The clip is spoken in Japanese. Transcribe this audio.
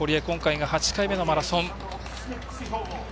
今回が８回目のマラソン。